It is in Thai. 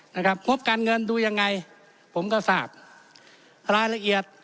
งบการเงินดูยังไงผมก็ทราบรายละเอียด